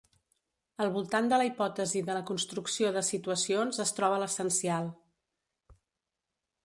Al voltant de la hipòtesi de la construcció de situacions es troba l'essencial.